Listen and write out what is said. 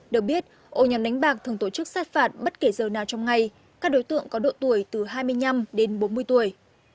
được biết ổ nhóm đánh bạc thường tổ chức sát phạt bất kể giờ nào trong ngày các đối tượng có độ tuổi từ hai mươi năm đến bốn mươi tuổi